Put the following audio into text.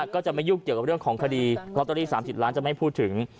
ก็จะไม่ยุ่งเกี่ยวกับเรื่องของคดีลอตเตอรี่๓๐ล้านจะไม่พูดถึง